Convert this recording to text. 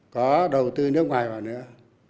có đầu tư nước ngoài vào nữa